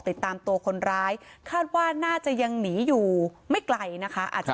ติดตามตัวคนร้ายคาดว่าน่าจะยังหนีอยู่ไม่ไกลนะคะอาจจะ